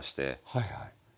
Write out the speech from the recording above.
はいはい。